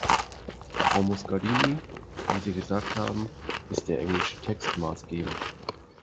Frau Muscardini, wie Sie gesagt haben, ist der englische Text maßgebend.